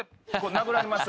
殴られます。